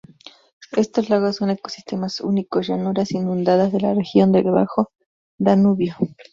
Estos lagos son ecosistemas únicos, llanuras inundadas de la región del Bajo Danubio.